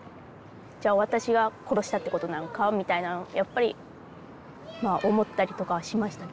じゃあ私が殺したってことなのかみたいなのをやっぱり思ったりとかはしましたね。